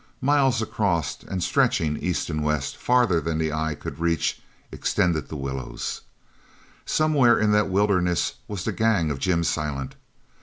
Miles across, and stretching east and west farther than his eye could reach, extended the willows. Somewhere in that wilderness was the gang of Jim Silent.